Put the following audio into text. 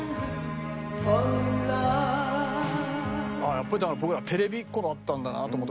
やっぱりだから僕らテレビっ子だったんだなと思って。